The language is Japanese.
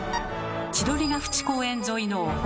千鳥ヶ淵公園沿いのお濠。